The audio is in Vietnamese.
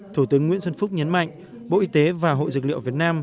thủ tướng nguyễn xuân phúc nhấn mạnh bộ y tế và hội dược liệu việt nam